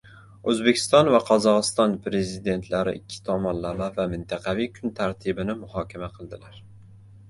O‘zbekiston va Qozog‘iston Prezidentlari ikki tomonlama va mintaqaviy kun tartibini muhokama qildilar